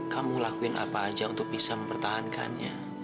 kamu lakuin apa aja untuk bisa mempertahankannya